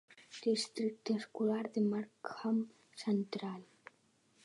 Districte escolar de Markham Central.